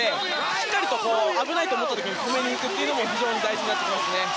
しっかりと危ないと思った時に止めに行くのも非常に大事になってきますね。